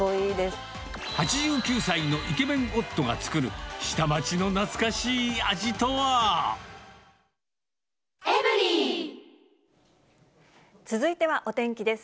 ８９歳のイケメン夫が作る、続いてはお天気です。